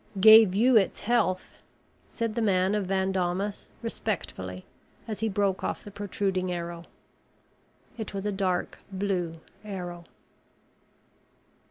"Gave you its health," said the man of Van Daamas respectfully as he broke off the protruding arrow. It was a dark blue arrow.